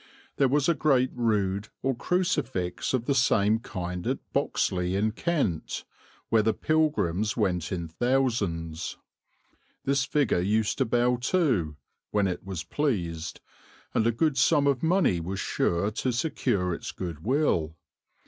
There was a great rood or crucifix of the same kind at Boxley, in Kent, where the pilgrims went in thousands. This figure used to bow, too, when it was pleased; and a good sum of money was sure to secure its good will.